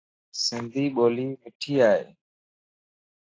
سنڌي ٻولي مٺي ائي.